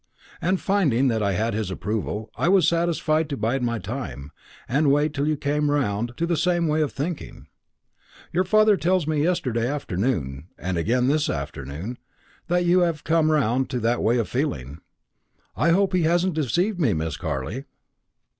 And finding that I had his approval, I was satisfied to bide my time, and wait till you came round to the same way of thinking. Your father tells me yesterday afternoon, and again this afternoon, that you have come round to that way of feeling. I hope he hasn't deceived me, Miss Carley."